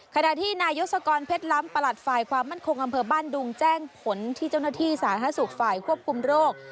ขณะที่นายศกรเพชรล้ำประหลัดฝ่ายความมั่นคงอำเภอบ้านดุงแจ้งผลที่เจ้าหน้าที่สาธารณสุขฝ่ายควบคุมโรค